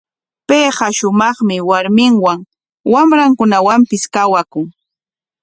Payqa shumaqmi warminwan, wamrankunawanpis kawakun.